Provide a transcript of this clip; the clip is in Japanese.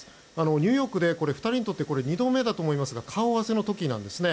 ニューヨークで２人にとって２度目だと思いますが顔合わせの時ですね